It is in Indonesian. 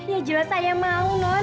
ya jelas saya mau non